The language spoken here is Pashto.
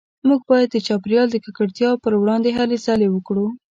موږ باید د چاپیریال د ککړتیا پروړاندې هلې ځلې وکړو